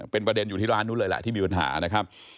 เป็นประเด็นอยู่ที่ร้านนู้นเลยแหละที่มีปัญหานะครับ